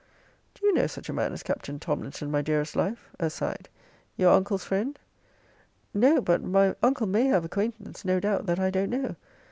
Do you know such a man as Captain Tomlinson, my dearest life, [aside,] your uncle's friend? No; but my uncle may have acquaintance, no doubt, that I don't know.